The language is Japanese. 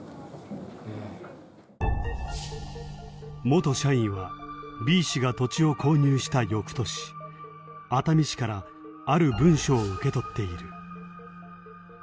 元社員はＢ氏が土地を購入した翌年熱海市からある文書を受け取っている。